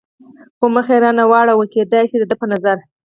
خو مخ یې را نه واړاوه، کېدای شي د ده په نظر.